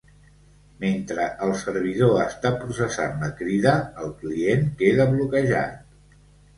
Mentre el servidor està processant la crida, el client queda bloquejat.